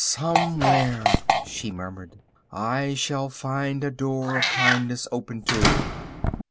"Somewhere," she murmured, "I shall find a door of kindness open to it."